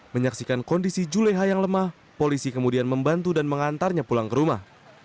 menyaksikan kondisi juleha yang lemah polisi kemudian membantu dan mengantarnya pulang ke rumah